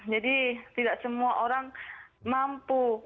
jadi tidak semua orang mampu